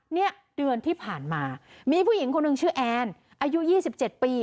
เนี่ยเดือนที่ผ่านมามีผู้หญิงคนหนึ่งชื่อแอนอายุ๒๗ปี